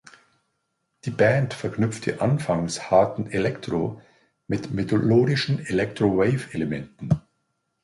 Die Band verknüpfte anfangs harten Elektro mit melodischen Electro-Wave-Elementen.